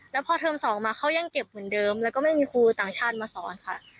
แล้วพอเทอม๒มาเขายังเก็บเหมือนเดิมแล้วก็ไม่มีครูต่างชาติมาสอนค่ะ